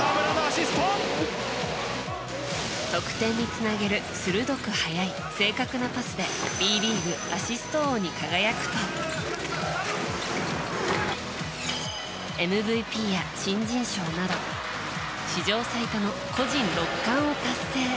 得点につなげる鋭く速い正確なパスでＢリーグ、アシスト王に輝くとＭＶＰや新人賞など史上最多の個人６冠を達成。